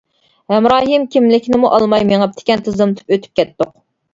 ھەمراھىم كىملىكنىمۇ ئالماي مېڭىپتىكەن تىزىملىتىپ ئۆتۈپ كەتتۇق.